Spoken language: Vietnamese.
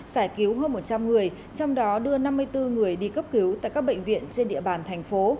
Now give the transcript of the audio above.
giải cứu hơn một trăm linh người trong đó đưa năm mươi bốn người đi cấp cứu tại các bệnh viện trên địa bàn thành phố